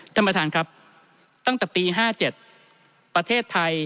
ท่านประธานครับตั้งแต่ปี๕๗ประเทศไทย